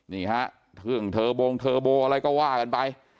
นี่ฮะทึ่งเทอร์โบงเทอร์โบอะไรก็ว่ากันไป